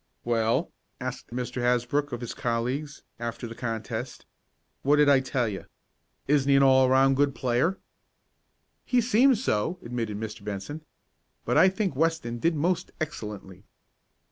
"Well?" asked Mr. Hasbrook of his colleagues, after the contest. "What did I tell you? Isn't he an all around good player?" "He seems so," admitted Mr. Benson. "But I think Weston did most excellently."